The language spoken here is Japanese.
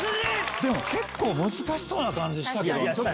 でも結構難しそうな感じしたけど。